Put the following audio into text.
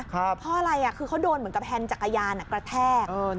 เพราะอะไรนะคือเขาโดนเหมือนเป็นแผนจักรยานอ่ะกระแต๊ก